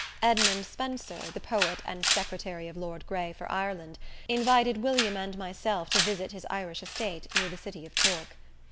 Edmund Spenser, the poet and Secretary of Lord Gray for Ireland, invited William and myself to visit his Irish estate near the city of Cork.